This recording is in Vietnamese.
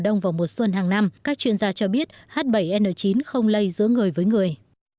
đông vào mùa xuân hàng năm các chuyên gia cho biết h bảy n chín không lây giữa người với người